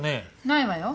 ないわよ。